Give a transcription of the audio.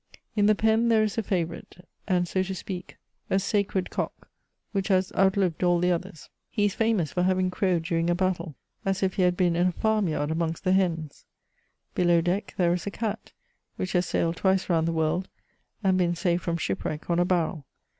In the pen there is a favourite, and, so to sneak, a sacred CHATEAUBRIAND. 237 cock, which has outlived all the others ; he is famous for having crowed during a battle, as if he had been in a farm yard amongst the hens. Below deck there is a cat, which has sailed twice round the world, and been saved from shipwreck on a barrel.